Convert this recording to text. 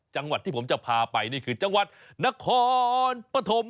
จังหวัดที่ผมจะพาไปนี่คือจังหวัดนครปฐม